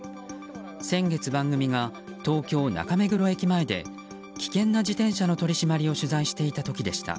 先月、番組が東京・中目黒駅前で危険な自転車の取り締まりを取材していた時でした。